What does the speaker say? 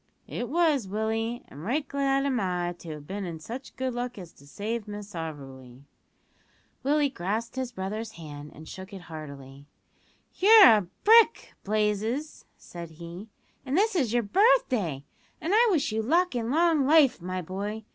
"It was, Willie, and right glad am I to have been in such good luck as to save Miss Auberly." Willie grasped his brother's hand and shook it heartily. "You're a brick, Blazes," said he, "and this is your birthday, an' I wish you luck an' long life, my boy.